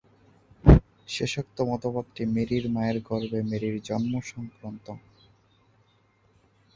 শেষোক্ত মতবাদটি, মেরির মায়ের গর্ভে মেরির জন্ম-সংক্রান্ত।